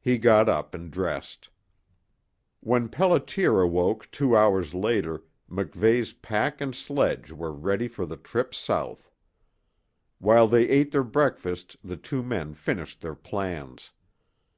He got up and dressed. When Pelliter awoke two hours later MacVeigh's pack and sledge were ready for the trip south. While they ate their breakfast the two men finished their plans.